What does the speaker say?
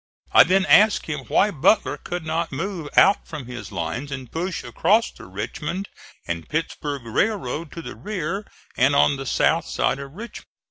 I then asked him why Butler could not move out from his lines and push across the Richmond and Petersburg Railroad to the rear and on the south side of Richmond.